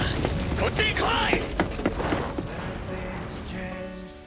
こっちに来い！